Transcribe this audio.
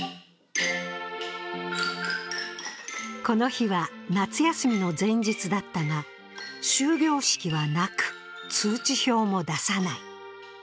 この日は、夏休みの前日だったが終業式はなく、通知表も出さない。